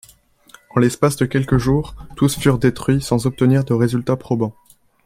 En l’espace de quelques jours, tous furent détruits sans obtenir de résultats probants.